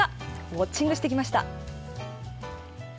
ウォッチングしてきました。